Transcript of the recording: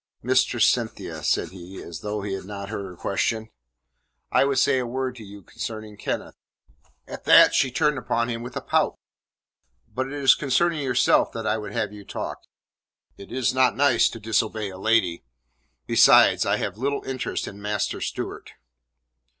"Mistress Cynthia," said he as though he had not heard her question, "I would say a word to you concerning Kenneth." At that she turned upon him with a pout. "But it is concerning yourself that I would have you talk. It is not nice to disobey a lady. Besides, I have little interest in Master Stewart."